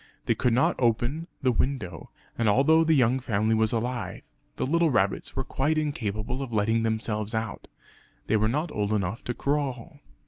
They could not open the window; and although the young family was alive the little rabbits were quite incapable of letting themselves out; they were not old enough to crawl.